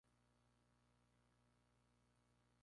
Se casa con Susanna Lockwood.